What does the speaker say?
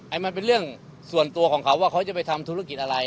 มันเป็นเรื่องส่วนตัวของเขาว่าเขาจะไปทำธุรกิจอะไร